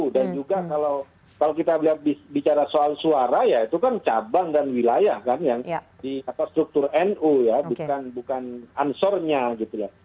dan juga kalau kita bicara soal suara ya itu kan cabang dan wilayah kan yang di atas struktur nu ya bukan ansornya gitu ya